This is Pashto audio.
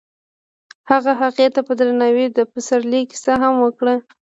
هغه هغې ته په درناوي د پسرلی کیسه هم وکړه.